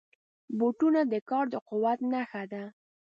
بوټونه د کار د قوت نښه ده.